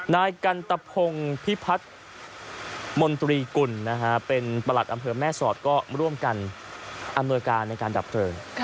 นายกันตะพงพิพัฒน์มนตรีกุลเป็นประหลัดอำเภอแม่สอดก็ร่วมกันอำนวยการในการดับเพลิง